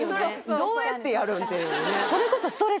どうやってやるん？っていうね